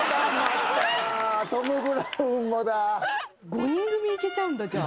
５人組いけちゃうんだじゃあ。